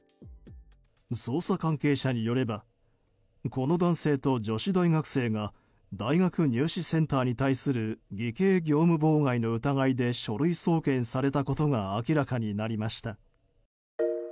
捜査関係者によればこの男性と女子大学生が大学入試センターに対する偽計業務妨害の疑いで書類送検されたことが明らかになりました。